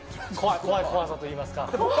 怖さといいますか。